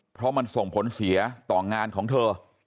เพราะมันส่งผลเสียต่องานของเธอ